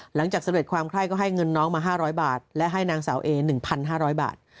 สำเร็จความไข้ก็ให้เงินน้องมา๕๐๐บาทและให้นางสาวเอ๑๕๐๐บาท